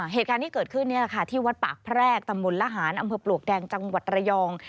เหตุการณ์ที่เกิดขึ้นที่วัดปากแพรกตำบลละหารอำเภอปลวกแดงจังหวัดระยอง